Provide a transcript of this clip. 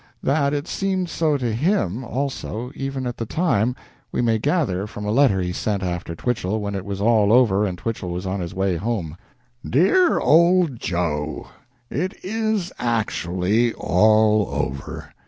That it seemed so to him, also, even at the time, we may gather from a letter he sent after Twichell when it was all over and Twichell was on his way home: "DEAR OLD JOE, It is actually all over!